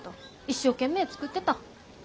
一生懸命作ってた。